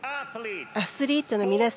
アスリートの皆様